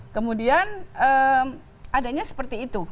kemudian adanya seperti itu